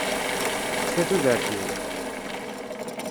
Tekfa tudert-iw!